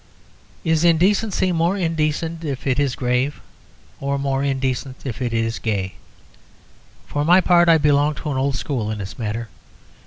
Is indecency more indecent if it is grave, or more indecent if it is gay? For my part, I belong to an old school in this matter.